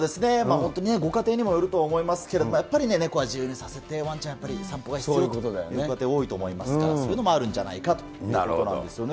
本当にね、ご家庭にもよると思いますけれども、やっぱりね、ネコは自由にさせて、ワンちゃんやっぱり、散歩が必要というご家庭、多いと思いますから、そういうのもあるんじゃないかということなんですよね。